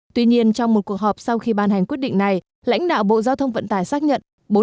tuy nhiên trong một cuộc họp sau khi ban hành quyết định này lãnh đạo bộ giao thông vận tải xác nhận